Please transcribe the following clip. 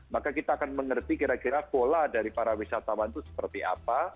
maka kita akan mengerti kira kira pola dari para wisatawan itu seperti apa